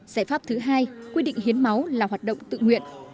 giải pháp thứ hai quy định hiến máu là hoạt động tự nguyện